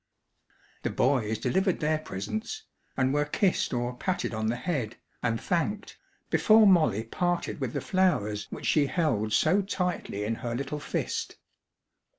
The boys delivered their presents, and were kissed or patted on the head, and thanked, before Molly parted with the flowers which she held so tightly in her little fist.